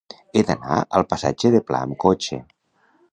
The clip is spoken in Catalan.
He d'anar al passatge de Pla amb cotxe.